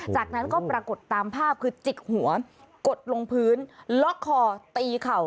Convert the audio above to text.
จากนั้นก็ปรากฏตามภาพคือจิกหัวกดลงพื้นล็อกคอตีเข่า